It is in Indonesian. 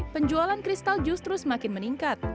penjualan kristal justru semakin meningkat